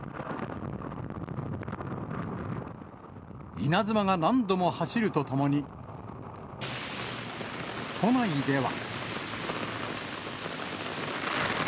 稲妻が何度も走るとともに、都内では。